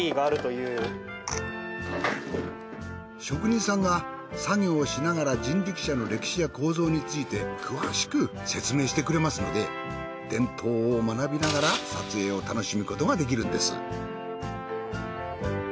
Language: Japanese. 職人さんが作業をしながら人力車の歴史や構造について詳しく説明してくれますので伝統を学びながら撮影を楽しむことができるんです。